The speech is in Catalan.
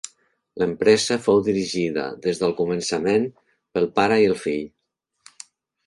L'empresa fou dirigida des del començament pel pare i el fill.